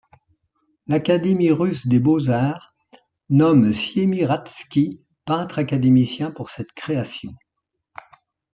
L'Académie russe des beaux-arts nomme Siemiradzki peintre académicien pour cette création.